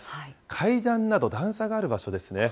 階段など、段差がある場所ですね。